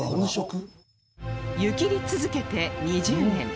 湯切り続けて２０年